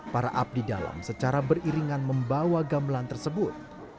para abdidalam secara beriringan membawa gamelan tersebut